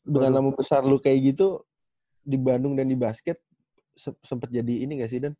dalam umum besar lu kayak gitu di bandung dan di basket sempet jadi ini gak sih dan